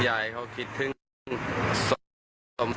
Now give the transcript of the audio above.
ใหญ่เขาคิดถึงสมทรรภ์